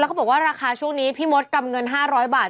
เขาบอกว่าราคาช่วงนี้พี่มดกำเงิน๕๐๐บาท